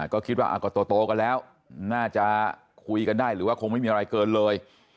ก็คิดว่าก็โตกันแล้วน่าจะคุยกันได้หรือว่าคงไม่มีอะไรเกินเลย